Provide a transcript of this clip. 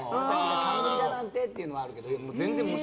冠だなんてっていうのはあるけど全然持ちたい。